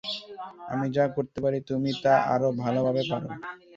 আমি যা করতে পারি, তুমি তা আরও ভালোভাবে পার।